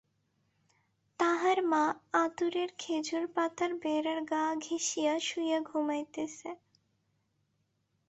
তাহার মা আঁতুড়ের খেজুর পাতার বেড়ার গা ঘেঁষিয়া শুইয়া ঘুমাইতেছে।